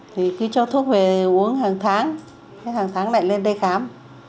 thì cứ cho thuốc về uống hàng tháng hàng tháng lại lên đây khám